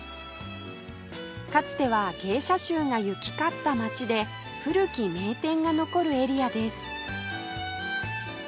かつては芸者衆が行き交った街で古き名店が残るエリアです